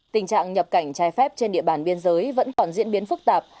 tình trạng nhập cảnh trái phép trên địa bàn biên giới vẫn còn diễn biến phức tạp